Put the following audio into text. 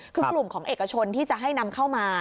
คือกลุ่มของเอกชนที่จะให้นำเข้ามา